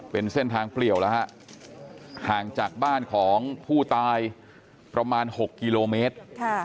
เป็นเส้นทางเปลี่ยวแล้วฮะห่างจากบ้านของผู้ตายประมาณ๖กิโลเมตร